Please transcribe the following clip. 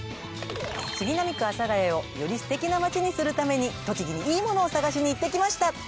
杉並区阿佐ヶ谷をより素敵な街にするために栃木にいいものを探しに行ってきました